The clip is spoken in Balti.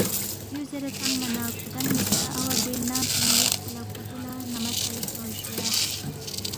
دیُو زیرے تنگما نہ تا کُھودانگ نِ٘یسکا اوا گوے، ننگ پِنگ یقپا لہ کھو بُو لہ نمہ ژَلے سونگس جُویا